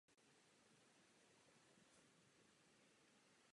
Rukojeť a špička meče přesahují přes desku.